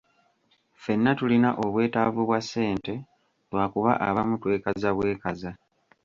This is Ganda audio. Ffenna tulina obwetaavu bwa ssente lwakuba abamu twekaza bwekaza.